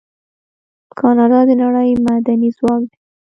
کاناډا د نړۍ معدني ځواک دی.